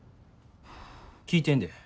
聞いてんで。